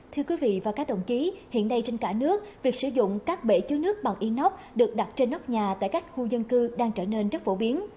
thưa quý vị và các đồng chí hiện đây trên cả nước việc sử dụng các bể chứa nước bằng inox được đặt trên nóc nhà tại các khu dân cư đang trở nên rất phổ biến